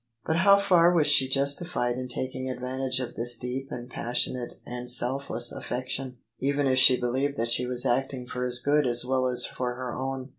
But how far was she justified in taking advan tage of this deep and passionate and selfless affection, even if she believed that she was acting for his good as well as for her own?